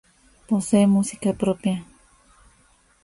Posee música propia.